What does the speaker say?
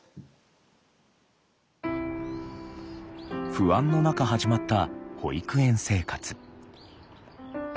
不安の中始まった保育園生活。